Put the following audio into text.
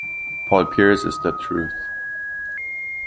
Paul Pierce is the truth.